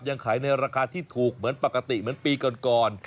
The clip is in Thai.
ยังขายในราคาที่ถูกเหมือนปกติเหมือนปีก่อน